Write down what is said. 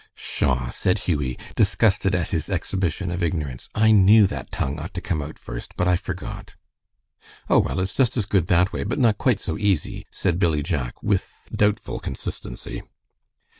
"Pshaw!" said Hughie, disgusted at his exhibition of ignorance, "I knew that tongue ought to come out first, but I forgot." "Oh, well, it's just as good that way, but not quite so easy," said Billy Jack, with doubtful consistency.